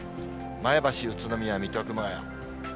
前橋、宇都宮、水戸、熊谷。